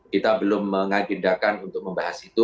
kita belum mengagendakan untuk membahas itu